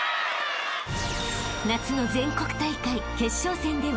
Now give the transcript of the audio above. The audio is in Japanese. ［夏の全国大会決勝戦では］